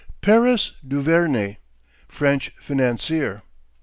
PARIS DUVERNEY. FRENCH FINANCIER.